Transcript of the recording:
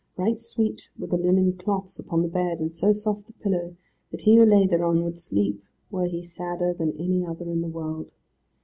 Right sweet were the linen cloths upon the bed, and so soft the pillow, that he who lay thereon would sleep, were he sadder than any other in the world.